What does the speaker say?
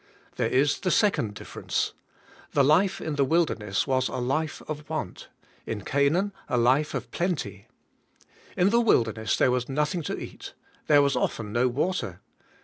There is the second differ ence: the life in the wilderness was a life of want; in Canaan, a life of plenty. In the wilder ness there was nothing to eat; there was often no water.